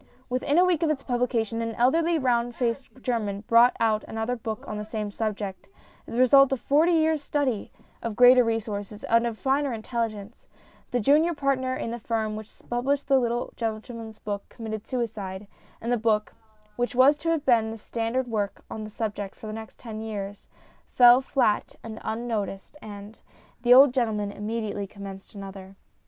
Within a week of its publication, an elderly round faced German brought out another book on the same subject, the result of forty years' study, of greater resources, and of a finer intelligence. 262 STORIES IN GREY The junior partner in the firm which published the little old gentleman's book committed suicide, and the book (which was to have been the standard work on the subject for the next ten years) fell flat and unnoticed, and ... the old gentleman immediately commenced another.